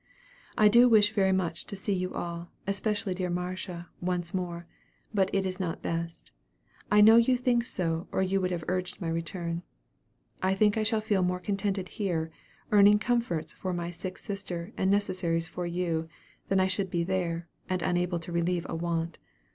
"I do wish very much to see you all, especially dear Marcia, once more; but it is not best. I know you think so, or you would have urged my return. I think I shall feel more contented here, earning comforts for my sick sister and necessaries for you, than I should be there, and unable to relieve a want.